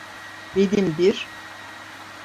Benim bir…